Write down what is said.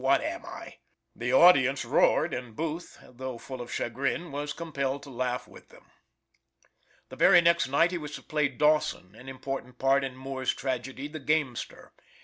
what am I?" The audience roared, and Booth, though full of chagrin, was compelled to laugh with them. The very next night he was to play Dawson, an important part in Moore's tragedy of "The Gamester."